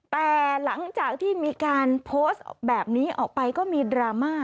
แต่หลังจากที่มีการโพสต์แบบนี้ออกไปก็มีดราม่า